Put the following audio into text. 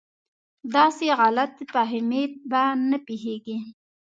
داسې غلط فهمي به نه پېښېږي.